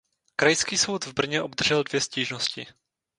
Krajský soud v Brně obdržel dvě stížnosti.